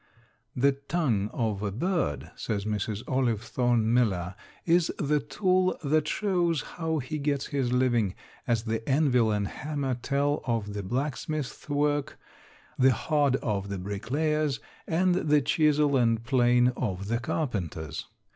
The tongue of a bird, says Mrs. Olive Thorne Miller, is the tool that shows how he gets his living, as the anvil and hammer tell of the blacksmith's work, the hod of the bricklayer's, and the chisel and plane of the carpenter's.